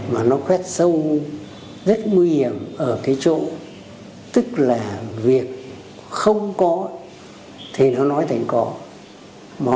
mà nó khoét sâu rất nguy hiểm ở cái chỗ tức là việc không có thì nó nói thành có